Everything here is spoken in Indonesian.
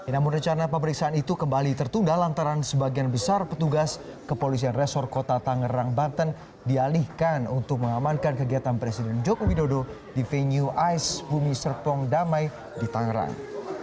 namun rencana pemeriksaan itu kembali tertunda lantaran sebagian besar petugas kepolisian resor kota tangerang banten dialihkan untuk mengamankan kegiatan presiden joko widodo di venue ais bumi serpong damai di tangerang